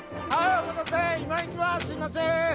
すいません！